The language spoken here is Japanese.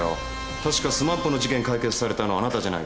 確かＳＭＡＰの事件解決されたのあなたじゃないですか。